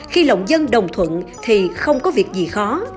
khi lộng dân đồng thuận thì không có việc gì khó